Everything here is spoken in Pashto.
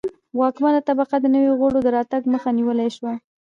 واکمنه طبقه نویو غړو د راتګ مخه نیولای شوه